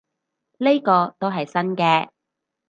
呢個都係新嘅